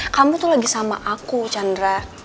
kamu tuh lagi sama aku chandra